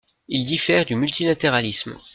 Il diffère du multilatéralisme.